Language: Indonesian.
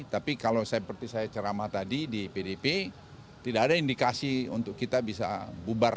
tapi kalau seperti saya ceramah tadi di pdp tidak ada indikasi untuk kita bisa bubar